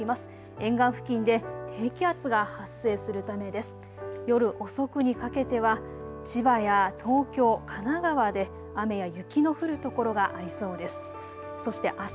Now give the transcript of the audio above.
沿岸付近で低気圧が発生するためです。